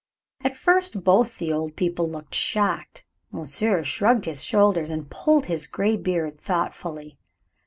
At first both the old people looked shocked. Monsieur shrugged his shoulders and pulled his gray beard thoughtfully.